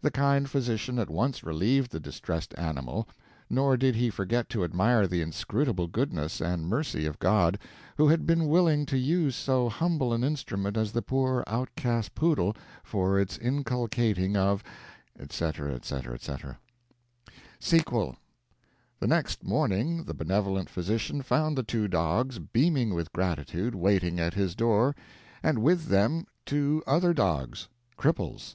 The kind physician at once relieved the distressed animal, nor did he forget to admire the inscrutable goodness and mercy of God, who had been willing to use so humble an instrument as the poor outcast poodle for the inculcating of, etc., etc., etc. SEQUEL The next morning the benevolent physician found the two dogs, beaming with gratitude, waiting at his door, and with them two other dogs cripples.